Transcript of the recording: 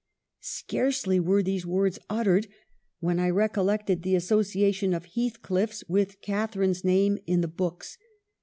" Scarcely were these words uttered when I recollected the association of Heathcliff's with Catharine's name in the books.